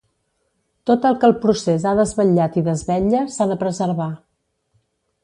Tot el que el procés ha desvetllat i desvetlla s’ha de preservar.